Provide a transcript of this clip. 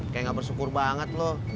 kayak gak bersyukur banget loh